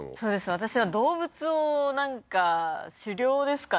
私は動物をなんか狩猟ですかね